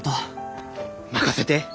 任せて。